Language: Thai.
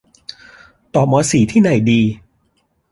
ต่อมอสี่ที่ไหนดี